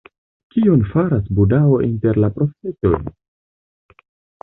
Kion faras Budao inter la profetoj?